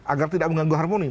agar tidak mengganggu harmoni